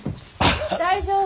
大丈夫？